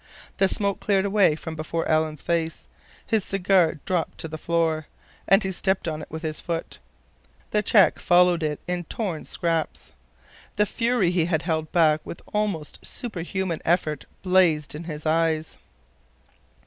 The smoke cleared away from before Alan's face. His cigar dropped to the floor, and he stepped on it with his foot. The check followed it in torn scraps. The fury he had held back with almost superhuman effort blazed in his eyes.